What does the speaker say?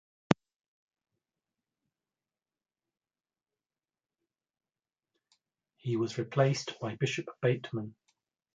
He was replaced by Bishop Batemen.